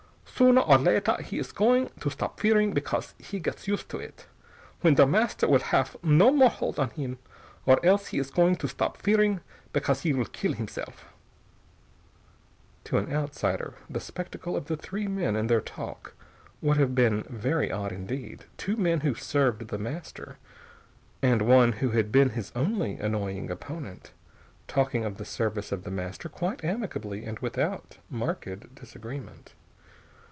Sooner or later he is going to stop fearing because he gets used to it when Der Master will haff no more hold on him or else he is going to stop fearing because he will kill himself." To an outsider the spectacle of the three men in their talk would have been very odd indeed. Two men who served The Master, and one who had been his only annoying opponent, talking of the service of The Master quite amicably and without marked disagreement.